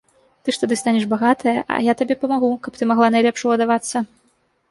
Ты ж тады станеш багатая, а я табе памагу, каб ты магла найлепш уладавацца.